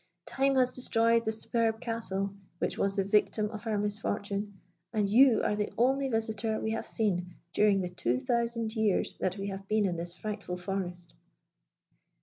Time has destroyed the superb castle, which was the victim of our misfortune; and you are the only visitor we have seen during the two thousand years that we have been in this frightful forest."